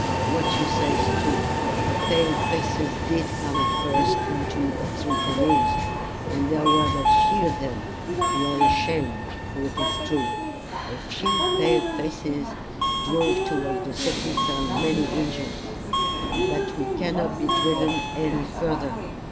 What you say is true. The pale faces did come at first in two or three canoes, and there were but few of them. We are ashamed, for it is true. A few pale faces drove toward the setting sun many Injins. But we cannot be driven any further.